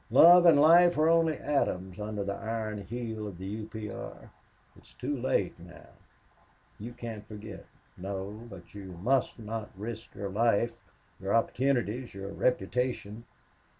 Love and life are only atoms under the iron heel of the U. P. R.... It's too late now. You can't forget no but you must not risk your life your opportunities your reputation."